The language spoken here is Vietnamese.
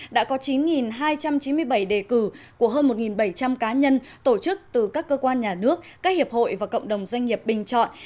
đã có chín hai trăm chín mươi bảy đề cử của hơn một bảy trăm linh cá nhân tổ chức từ các cơ quan nhà nước các hiệp hội và cộng đồng doanh nghiệp bình chọn